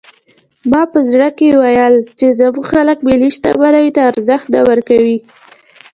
ما په زړه کې ویل چې زموږ خلک ملي شتمنیو ته ارزښت نه ورکوي.